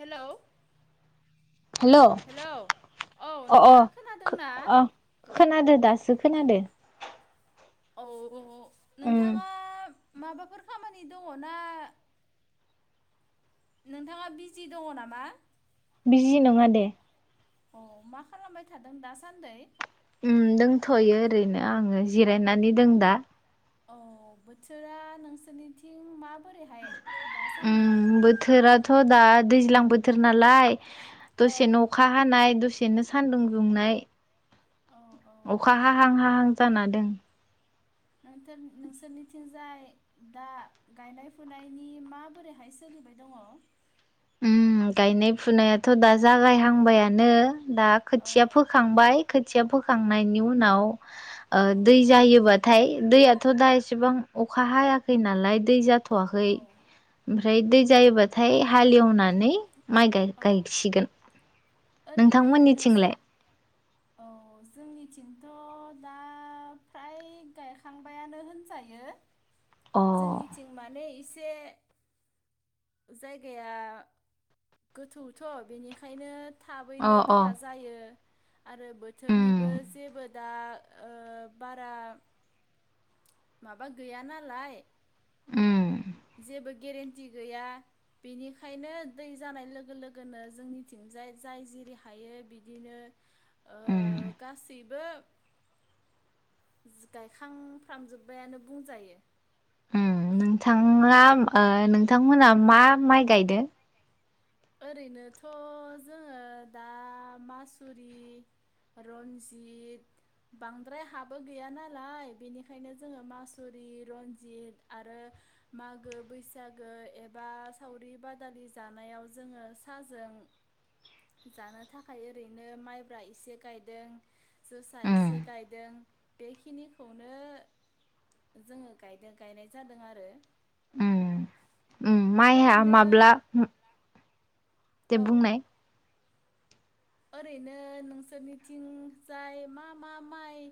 Hello hello औ अ अ नोंथाङा खोनादोंना अ खोनादो दासो खोनादो औ औ उम नोंथाङा माबाफोर खामानि दङ ना नोंथाङा बिजि दङ नामा बिजि नङा दे अ मा खालामबाय थादों दासान्दै उम दंथयो ओरैनो आङो जिरायनानै दं दा औ बोथोरा नोंसोरनिथिं मा उम बोथोराथ दा दैज्लां बोथोर नालाय औ दसे अखा हानाय‌ दसे दसेनो सान्दुं दुंनाय औ औ औ अखा हाहां हाहां जाना दों नोंथोर नोंसोरनिथिंजाय दा गायनाय फुनायनि माबोरैहाय सोलिबाय दङ उम गायनाय फुनायाथ दा जागायहांबायानो दा खोथिया फोखांबाय खोथिया फोखांनायनि उनाव ओ दै उनाव जायोबाथाय दैयाथ‌ दा एसेबां अख अखा हायाखै नालाय दै जा थ वाखै माइखौ ओम ओमफ्राय दै जायोबाथाय हालेवनानै माइ गाय गायसिगोन ओरैनो नोंसोर नोंथांमोननिथिंलाय थिं औ जोंनिथिंथ दा फ्राय गायखांबायानो होनजायो अ जोंनिथिं माने इसे जायगाया गोथौ थ बेनिखायनो अ थाबैनो अ दैया जायो आरो उम बोथोरनिबो जेबो दा ओ बारा माबा गैया नालाय ओम जेबो गेरेन्टि गैया बिनिखायनो दै जानाय लोगो लोगोनो जोंनिथिंजाय जाय जिरि हायो बिदिनो उम ओ गासै गासैबो गायखांफ्रामजोब्बायानो बुंजायो ओम नोंथाङा ओ नोंथांमोना मा माइ गायदों ओरैनोथ जोङो दा मासुरि रन्जित बांद्राय हाबो गैया नालाय बेनिखायनो जोङो मासुरि रन्जित आरो मागो बैसागो एबा सावरि बादालि जानायाव जोङो साजों जानो थाखाय ओरैनो माइब्रा एसे गायदों जोसा उम एसे गायदों बेखिनिखौनो जोङो गायदों गायनाय जादों आरो माइ हा ओरैनो माब्ला दे औ बुंनाय ओरैनो नोंसोरनिथिं जाय मा मा माइ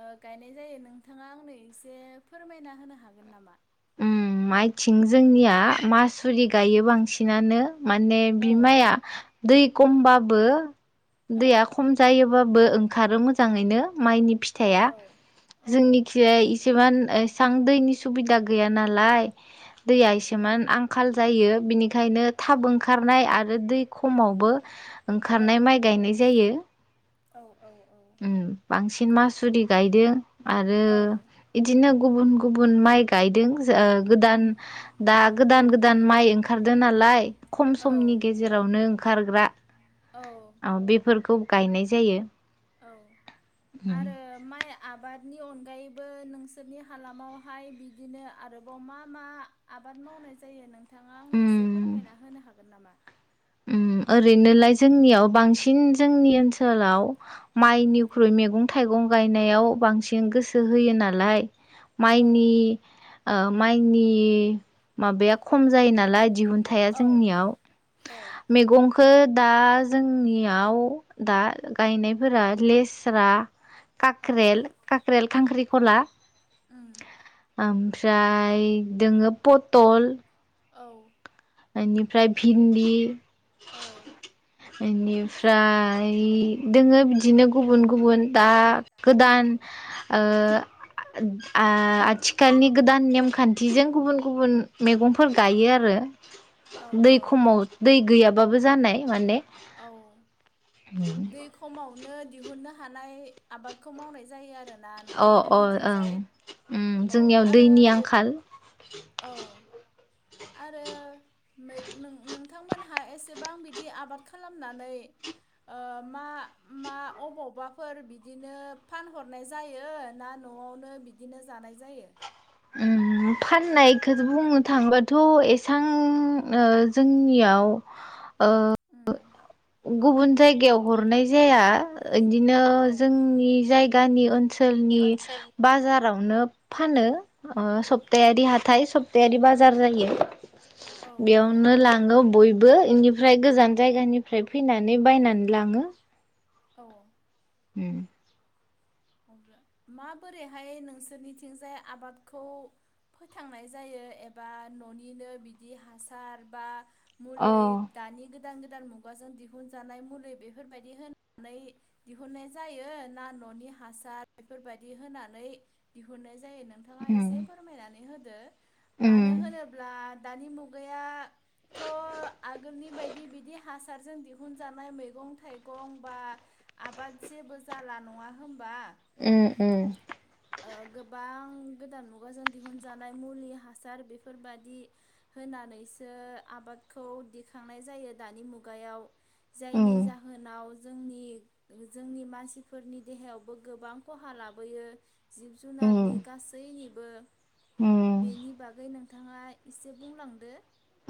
ओ गायनाय जायो नोंथाङा आंनो एसे फोरमायना होनो हागोन नामा ओम माइथिं जोंनिया मासुरि गायो बांसिनानो माने औ बिमाया दै खमबाबो दैया खम जायोबा बो ओंखारो मोजाङैनो माइनि औ फिथाइया औ औ जोंनिखिजाय [unintelligible] एसां दैनि सुबिदा गै गैया नालाय। औ दैया एसेमोन आंखाल जायो बिनिखायनो औ थाब ओंखारनाय आरो दै खमावबो औ ओंखारनाय माइ गायनाय जायो। औ औ। उम बांसिन मासुरि गायदों। आरो औ इदिनो गुबुन गुबुन माइ गायदों गोदान दा गोदान गोदान माइ ओंखारदो नालाय खम औ समनि गेजेरावनो खारग्रा। औ बेफोरखौ गायनाय जायो। औ उम आरो माया आबादनि अनगायैबो नोंसोरनि हालामावहाय बिदिनो आरोबाव मा मा आबाद मावनाय जायो नों थाङा आंनो एसे उम फोरमायना होनो हा गोन नामा? उम ओरैनोलाय जोंनियाव बांसिन जोंनि ओनसोलाव उम माइनिख्रुइ मैगं थाइगं गायनायाव बांसिन गोसो होयो नालाय। माइनि औ ओ माइनि माबाया खम जायो नालाय दिहुनथाया औ जोंनियाव। औ मैगंखो दा जोंनियाव दा गायनायफोरा लेस्रा औ काक्रेल काक्रेल खांख्रि खला उम ओमफ्राय दोङो पटल औ। एनिफ्राय भिन्दि। औ। एनिफ्राय दोङो बिदिनो गुबुन गुबुन दा गोदान ओ आ-आथिखालनि नेमखान्थिजों गुबुन गुबुन मैगंफोर गायो आरो औ दै औ खमाव दै गैयाब बाबो जानाय माने। औ दै खमावनो दिहुननो हानाय आबादखौ मावनाय जायो आरो अह अह ओं उम औ जोंनियाव आरो दैनि बे आंखाल। औ आरो मै नों-नों-नोंथांमोनहा एसेबां बिदि आबाद खा खालामनानै ओ मा मा अबावबाफोर बिदिनो फानहरनाय जायो ना न'आवनो बिदिनो जानाय जायो? उम फाननायखौ बुंनो थांबाथ' एसां ओ जोंनियाव ओ उम गुबुन जायगायाव हरनाय जाया। बिदिनो औ जोंनि जायगा दानि ओन ओनसोलनि बाजार फोरावनो फानो। अ औ सप्तायारि हाथाय सप स्तारि बाजार जायो औ औ बेयावनो लाङो बयबो बेनिफ्राय गोजान जायगानिफ्राय फैनानै बायनानै लाङो। औ। उम। अब्ला माबोरैहाय नोंसोरनिथिंजाय आबादखौ फोथांनाय जायो एबा ननिनो बिदि हासार बा अ मुलै दानि दि गोदान गोदान मुगाजों दिहुनजानाय मुलि बेफोरबायदि होनानै जायो ना न'नि हा हासार बेफोरबायदि होनानै दिहुननो। जायो नोंथाङा उम एसे फोरमायनानै होदो। मानो उम होनोब्ला दानि मुगायाथ' आगोलनि बायदि बिदि हासारजों दिहुनजानाय मैगं थाइगं बा आबाद जेबो जाला नङा होनब्ला होमबा उम उम। गोबां गोदान मुगाजों दिहुनजानाय मुलि हासार बेफोरबादि होनानैसो आबादखौ दिखांनाय जायो दानि मुगायाव जायनि उम जाहोनाव जोंनि जोंनि मानसिफोरनि देहायावबो गोबां खहा लाबोयो। जिब उम जुनारनि गासैनि बो। उम बेनि बगै नों बिथाङा एसे बुंलांदो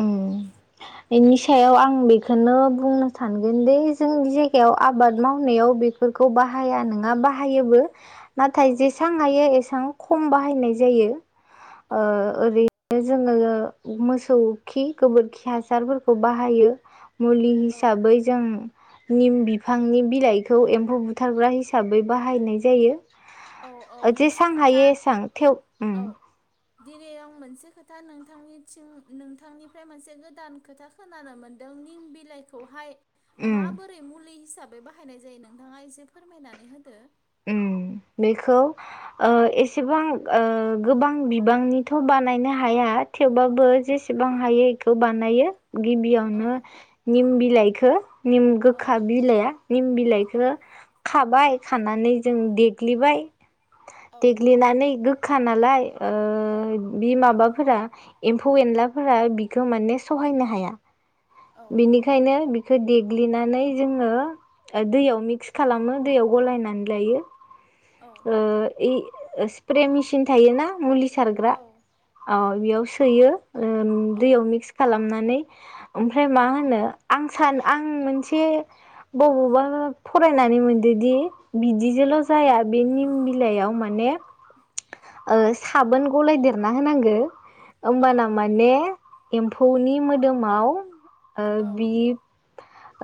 उम बेनि सायाव आं बेखौनो बुंनो सानगोन दि जोंनि जायगायाव आबाद मावनायाव बेफोरखौ बाहाया नङा बाहायोबो। औ नाथाय जेसेबां हायो एसे बिथां खम बाहायनाय जायो। ओ औ ओरै जोङो मोसौ खि गोबोरखि हासा हासारफोरखौ बाहायो। मुलि औ हिसाबै जों। निम बिफांनि बिलाइखौ एम्फौ बुथारग्रा हिसाबै बाहायनाय औ औ जायो। मोनसे जेसां खोथा हायो एसां थेव उम औ दिनै आं मोनसे खोथा नोंथांनिथिं नोंथांनिफ्राय मोनसे गोदान खोथा खोनानो मोनदों निम बिलाइखौहाय। उम माबोरै मुलि हि साबै बाहायनाय जायो नोंथाङा एसे फोरमायनानै होदो। उम बेखौ ओ एसेबां ओ गोबां बिबांनिथ' बानायनो हाया थेवबाबो जेसेबां हायो इखौ बानायो। गिबियावनो औ निम बिलाइखौ निम गोखा औ बिलाइआ निम बिलाइखौ औ खाबाय खानानै जों देग्लिबाय औ देग्लिनानै गो खानालाय ओ बि माबा फोरा एम्फौ एनलाफोरा बिखौ माने सहायनो हाया। औ बिनिखायनो सो देग्लिनानै जोङो दैयाव मिक्स खालामो दैयाव गलायनानै लायो। ओ इ स्प्रे मेसिन थायोना मुलि औ सारग्रा ओ बेयाव सो थैयो ओ उम दैयाव मिक्स खालामनानै आम। फ्राय मा होनो आं सान आं मोनसे बबावबा फरायनानै मोनदोदि बिदिजोंल' जाया बे निम बिलाइयाव माने साबोन ओ गलायदेरना होनांगो औ होमबाना माने एम्फौ हौनि मोदोमाव आ औ बि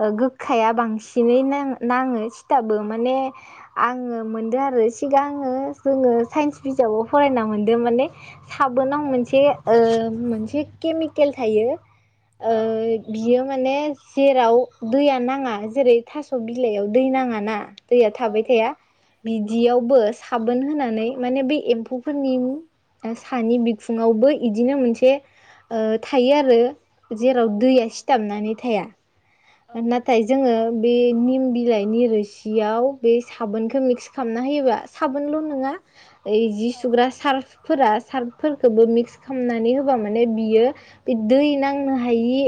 ओ गोखाया बांसिनै नां नाङो सिथाबो माने आङो मोनदों आरो सिगांङो जोङो साइन्स बिजाबाव फरायना मोनदों माने साबोनाव औ मोनसे ओ मोनसे केमि केल थायो। ओ औ बियो माने जेराव दैया नाङा जेरै थास बिलाइयाव दै नाङा ना दैया औ थाबाय थाया बिदियाव बो साबोन होनानै माने बे एम्फौफोरनि सानि बिखुुङावबो इदिनो मोनसे ओ थायो आरो औ जेराव औ बिये सिथाबनानै थाया औ नाथाय जोङो बेनि बिलाइनि रोसियाव बे साबोनखौ मिक्स खालामना होयोबा साबोनल' नङा ओइ जि औ सुग्रा सार्फफोरा सार्फफोरखौबो मिक्स खालामनानै होबा माने बियो बे दै नांनो हायि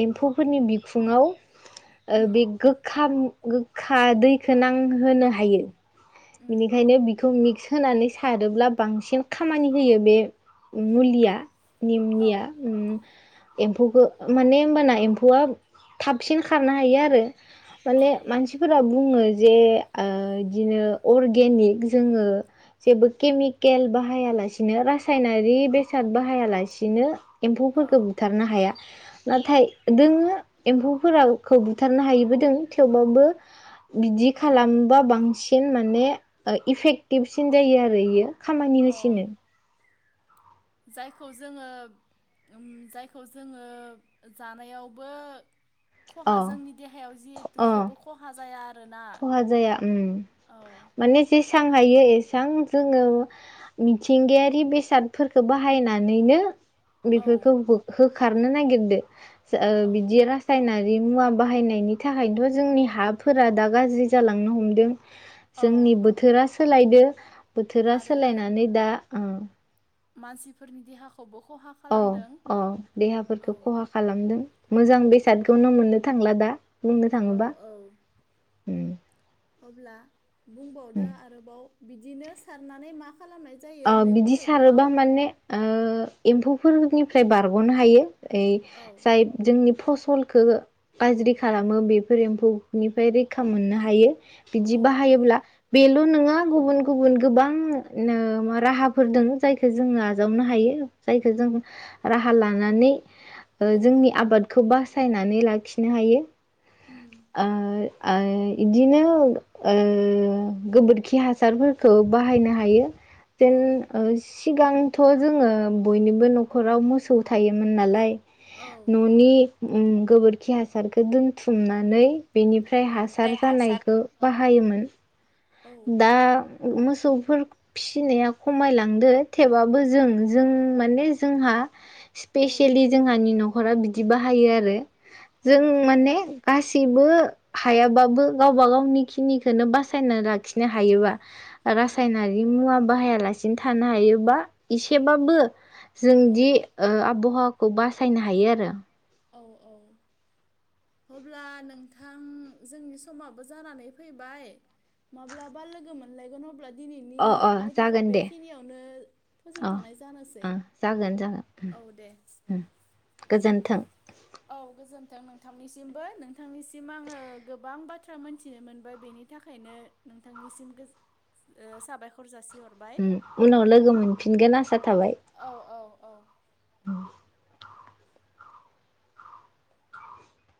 एम्फौफोरनि बिखुङाव ओ उम बे गोखाब गोखा दैखौ नांहोनो हायो। उम बेनिखायनो बिखौ मिक्स होनानै सारोब्ला बांसिन खामानि होयो बे मुलिया। औ निमनिया उम एम्फौखो माने ओमबाना एम्फौआ थाबसिन खारनो हायो आरो औ माने मानसिफोरा बुङो। जे ओ यदिनो अर्गेनिक जोङो जेबो केमिकेल बाहायालासेनो रासायनारि बे साद बाहायालासिनो औ एम्फौफोरखो बुथारनो हाया। नाथाय दोङो एम्फौ फोरा खो बुथारनो हायिबो दों थेवबाबो बिदि खालामबा बांसिन मा ने इफेकटिभसिन जायो आरो आरो यो खामानि अ होसिनो। जायखौ जोङो उम जायखौ जोङो जानायावबो खहा अ जोंनि देहायाव जिहेतु अ जेबो खहा जाया आरोना खहा जाया उम औ माने जे सां हायो एसां जोङो मिथिंगायारि बेसादफोरखो बाहायनानैनो औ बेफोरखौ हो खारनो नागिरदो ओ औ बिदि रासायना रि मुवा बाहायनायनि थाखायनोथ' जोंनि हाफोरा दा गाज्रि जालांनो हमदों। जोंनि औ बोथोरा सोलायदो बोथोरा आरो सोलायनानै दा उम मानसिफोरनि देहा अ अ औ देहाफोरखौ खहा खालामदों। मोजां बेसादखौनो मोननो थांला दा। बुंनो औ थाङोबा औ उम अब्ला बुंबावदो उम आरोबाव बिदिनो सारनानै मा खालामनाय जायो अ मैगं बिदि थाइगंआव सारोबा माने ओ एम्फौफोरनिफ्राय बारग'नो हायो। ओइ औ जाय जोंनि फसलखो गाज्रि खालामो बेफोर एम्फौनिफ्राय रैखा मोननो हायो। बिदि औ औ बाहायोब्ला बेल' नोङा गुबुन गुबुन गोबां नो राहाफोर दों जायखौ जोंङो आजावनो हायो जायखो जों राहा लानानै ओ औ जोंनि आबादखौ बास सायनानै लाखिनो हायो उम ओ ओ इदिनो ओ गोबोरखि हासारफोरखौ बाहायनो हायो। जेन औ ओ सिगांथ जोंङो बयनिबो न'खराव मोसौ थायोमोन नालाय। औ न'नि ओम गोबोरखि हासारखो दोन थुमनानै बेनिफ्राय हासार जानायखो बा हायोमोन दा औ मोसौफोर फिसिनाया खमायलांदो थेवबाबो जों जों माने जोंहा स्पेसियेलि जोंहानि नखरा बिदि बिदि बाहायो आरो औ जों औ माने गासि थिबो हायाबाबो गावबा गावनि खिनिखोनो बासायना खिनो हायोबा औ रासायनारि मुवा बाहाया लासि थानो हायोबा एसेबाबो औ जोंदि ओ आबहा खौ बासायनो हायो आरो औ औ अब्ला नोंथां जोंनि समाबो जानानै फैबाय माब्लाबा लोगो मोनलायगोन अब्ला दिनैनि अ अ आयदाखौ जागोन दे बेखिनियावनो अ फोजोबथनाय जानोसै ओं जागोन जागोन औ दे। उम गोजोन्थों। औ गोजोनथों नोंथांनिसिमबो नोंथांनिसिम आंङो गोबां बाथ्रा मोनथिनो मोनबाय बेनि थाखायनो नोंथांनिसिम गोज साबायखर जासि उम्म उनाव लोगो मोनफिनगोन आसा थाबाय। औ औ औ